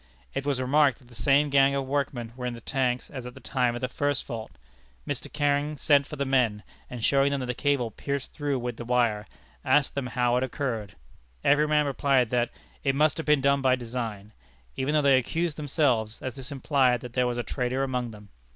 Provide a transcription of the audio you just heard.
It was remarked that the same gang of workmen were in the tank as at the time of the first fault. Mr. Canning sent for the men, and showing them the cable pierced through with the wire, asked them how it occurred. Every man replied that it must have been done by design, even though they accused themselves, as this implied that there was a traitor among them.